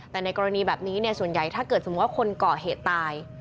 แต่ในกรณีแบบนี้ส่วนใหญ่ถ้าเกิดสมมุติว่าคนก่อเหตุตาย